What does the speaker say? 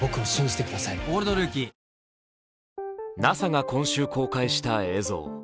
ＮＡＳＡが今週、公開した映像。